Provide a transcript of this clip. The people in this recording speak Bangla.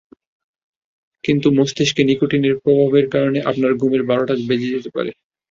কিন্তু মস্তিষ্কে নিকোটিনের প্রভাবের কারণে আপনার ঘুমের বারোটা বেজে যেতে পারে।